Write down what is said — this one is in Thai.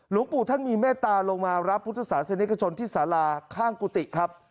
หลวงปู่ท่านมีเมตตาลงมารับพุทธศาสนิกชนที่สาราข้างกุฏิครับ